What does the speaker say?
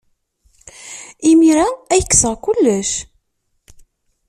Imir-a ay kkseɣ kullec.